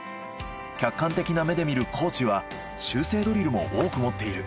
客観的な目で見るコーチは修正ドリルも多く持っている。